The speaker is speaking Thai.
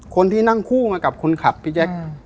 คนที่นั่งคู่มากับคนขับพี่แจ๊ค